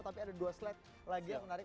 tapi ada dua slide lagi yang menarik